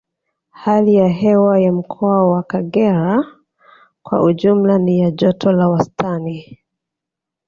Hali ya hewa ya Mkoa wa Kagera kwa ujumla ni ya joto la wastani